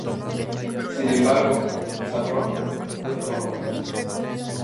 Sin embargo, Saffron no estaba muerto.